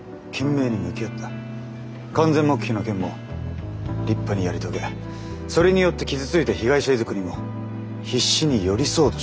完全黙秘の件も立派にやり遂げそれによって傷ついた被害者遺族にも必死に寄り添おうとしている。